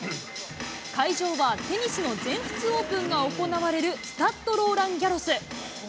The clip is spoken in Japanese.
会場はテニスの全仏オープンが行われるスタッドローランギャロス。